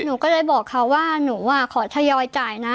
หนูก็เลยบอกเขาว่าหนูขอทยอยจ่ายนะ